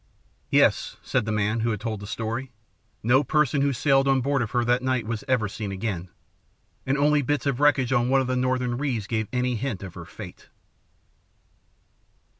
"Yes," said the man who had told the story. "No person who sailed on board of her that night was ever seen again; and only bits of wreckage on one of the northern reefs gave any hint of her fate."